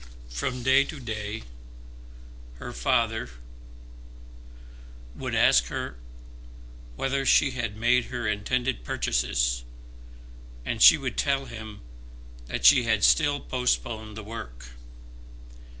From day to day her father would ask her whether she had made her intended purchases, and she would tell him that she had still postponed the work.